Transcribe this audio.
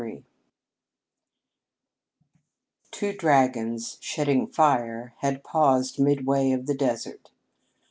XXXIII Two dragons, shedding fire, had paused midway of the desert.